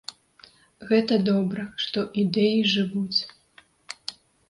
Гэта добра, што ідэі жывуць.